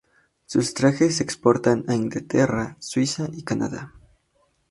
Sus trajes se exportan a Inglaterra, Suiza y Canadá.